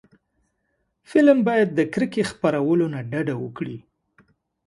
فلم باید د کرکې خپرولو نه ډډه وکړي